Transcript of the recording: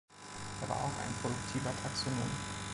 Er war auch ein produktiver Taxonom.